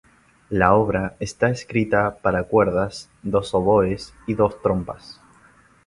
La obra está escrita para cuerdas, dos oboes, y dos trompas.